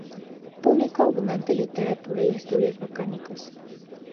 Publicó abundante literatura y estudios botánicos.